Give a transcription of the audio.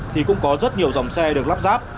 thì cũng có rất nhiều dòng xe được lắp ráp